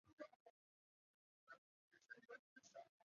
就买好一点的给孩子吃吧